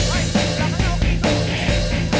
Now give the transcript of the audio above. pak pak pak